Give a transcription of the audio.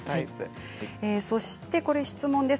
それは質問です。